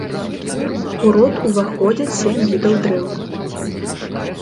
У род уваходзяць сем відаў дрэў.